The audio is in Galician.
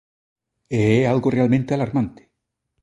E é algo realmente alarmante.